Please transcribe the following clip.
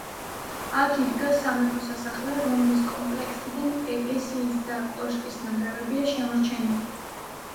აქ იდგა სამეფო სასახლე, რომლის კომპლექსიდან ეკლესიის და კოშკის ნანგრევებია შემორჩენილი.